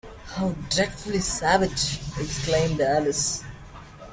‘How dreadfully savage!’ exclaimed Alice.